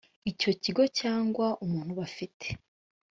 icyo kigo cyangwa umuntu bafite